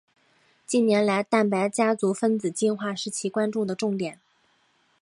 近年来蛋白家族分子进化是其关注的重点。